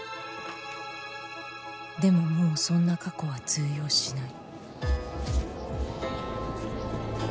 でももうそんな過去は通用しない